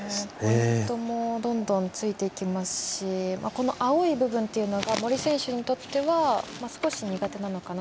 どんどんついていきますし青い部分っていうのが森選手にとっては少し苦手なのかな。